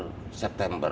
sebelum akhir september